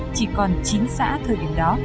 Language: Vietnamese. chỉ còn chín xã thời điểm đó